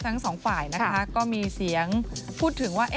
ทั้งสองฝ่ายนะคะก็มีเสียงพูดถึงว่า